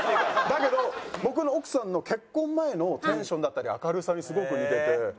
だけど僕の奥さんの結婚前のテンションだったり明るさにすごく似てて。